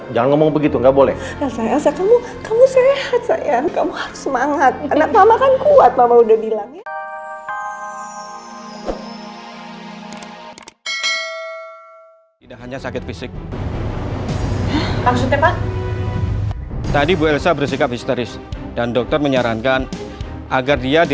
jangan lupa subscribe channel ini untuk dapat info terbaru dari kami